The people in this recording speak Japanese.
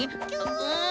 うん？